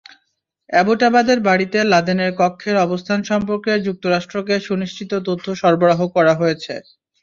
অ্যাবোটাবাদের বাড়িতে লাদেনের কক্ষের অবস্থান সম্পর্কে যুক্তরাষ্ট্রকে সুনিশ্চিত তথ্য সরবরাহ করা হয়েছে।